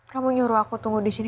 kamu nyuruh aku tunggu disini